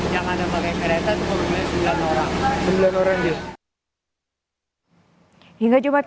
yang ada pakai kereta itu berhubungan sembilan orang